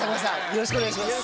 よろしくお願いします。